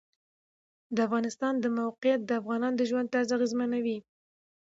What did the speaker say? د افغانستان د موقعیت د افغانانو د ژوند طرز اغېزمنوي.